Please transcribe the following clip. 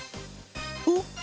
おっ！